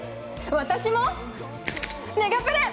私もメガプレ！